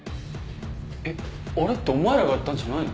えっあれってお前らがやったんじゃないの？